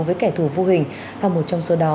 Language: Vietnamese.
với kẻ thù vô hình và một trong số đó